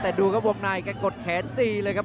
แต่ดูคับวงหน้ากระจกกฎแขนตีเลยครับ